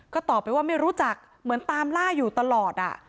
ก็ตอบไปว่าไม่รู้จักเหมือนตามล่าอยู่ตลอด